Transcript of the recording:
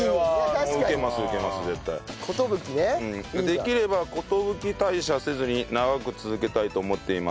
「できれば寿退社せずに長く続けたいと思っています」